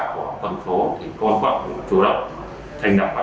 bởi mắc hình tương tự